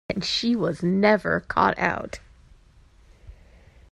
And she was never caught out!